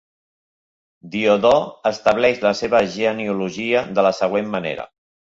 Diodor estableix la seva genealogia de la següent manera.